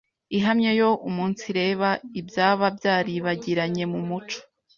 ihamye yo umunsireba ibyaba byaribagiranye mu muco